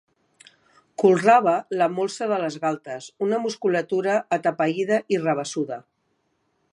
Colrava la molsa de les galtes; una musculatura atapeïda i rabassuda.